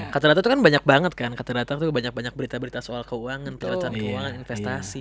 kata data itu kan banyak banget kan kata datang tuh banyak banyak berita berita soal keuangan kelihatan keuangan investasi